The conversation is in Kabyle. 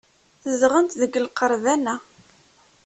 Zedɣent deg lqerban-a.